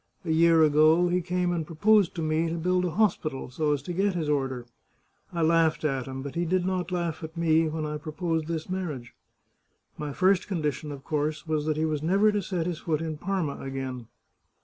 A year ago he came and proposed to me to build a hospital, so as to get his order. I larghed at him, but he did not laugh at me when I proposed this marriage. My first condition, of course, was that he was never to set his foot in Parma again."